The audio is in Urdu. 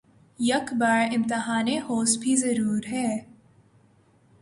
یک بار امتحانِ ہوس بھی ضرور ہے